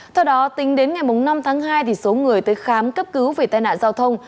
theo đó tính đến ngày năm tháng hai số người tới khám cấp cứu về tai nạn giao thông